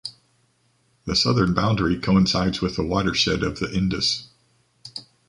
The southern boundary coincides with the watershed of the Indus.